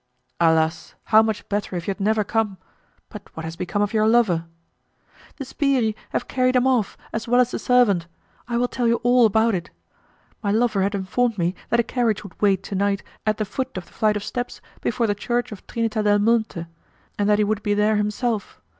"Alas! how much better if you had never come! But what has become of your lover?" "The 'sbirri' have carried him off, as well as the servant. I will tell you all about it. My lover had informed me that a carriage would wait to night at the foot of the flight of steps before the Church of Trinita del Monte, and that he would be there himself.